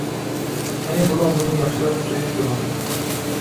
قېنى بولۇڭ مېنى ياخشىلاپ سۆيۈپ قويۇڭ!